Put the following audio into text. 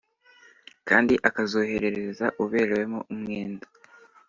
kandi akazoherereza uberewemo umwenda